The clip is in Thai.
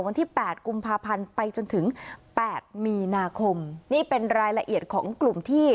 นี่เป็นรายละเอียดของกลุ่มที่